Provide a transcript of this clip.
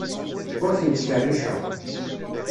Ur ten-ttkerriceɣ.